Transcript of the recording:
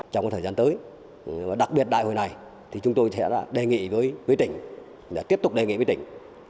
trong thời gian tới và đặc biệt đại hội này thì chúng tôi sẽ đề nghị với tỉnh tiếp tục đề nghị với tỉnh